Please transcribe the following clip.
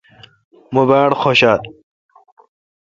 مہ باڑخوشال۔